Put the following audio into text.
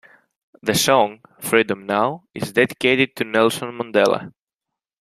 The song "Freedom Now" is dedicated to Nelson Mandela.